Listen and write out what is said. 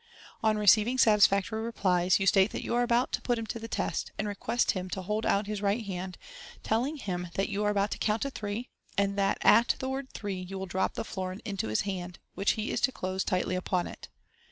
On receiving satisfactory replies, you state that you are about to put him to the test, and request him to hold out his right hand, telling him that you are about to count three, and that at the word "three" you will drop the florin into his hand, which he is to close tightly upon it.